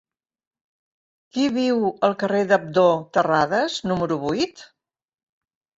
Qui viu al carrer d'Abdó Terradas número vuit?